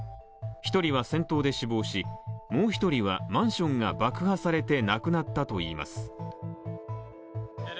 １人は戦闘で死亡し、もう一人はマンションが爆破されて亡くなったといいます。